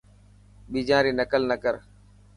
بيجان ري نقل نه ڪر.